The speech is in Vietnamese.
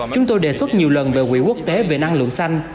chúng tôi đề xuất nhiều lần về quỹ quốc tế về năng lượng xanh